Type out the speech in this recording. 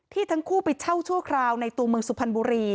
ทั้งคู่ไปเช่าชั่วคราวในตัวเมืองสุพรรณบุรี